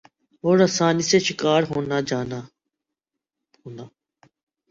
اور آسانی سے شکار ہونا جانا ہونا ۔